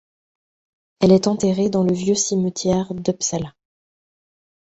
Elle est enterrée dans le Vieux cimentière d'Uppsala.